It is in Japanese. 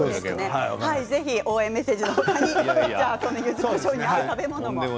ぜひ応援メッセージの他にゆずこしょうに合う食べ物も。